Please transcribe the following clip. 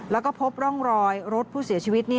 แล้วก็พบร่องรอยรถผู้เสียชีวิต